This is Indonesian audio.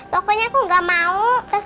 pokoknya aku nggak mau tidur